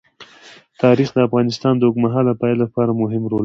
تاریخ د افغانستان د اوږدمهاله پایښت لپاره مهم رول لري.